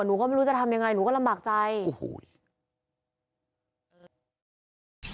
หนูก็ไม่รู้จะทำยังไงหนูก็ลำบากใจโอ้โห